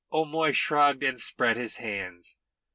O'Moy shrugged and spread his hands.